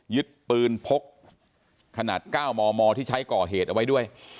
ยึดปืนพกขนาด๙มมที่ใช้ก่อเหตุเอาไว้ด้วย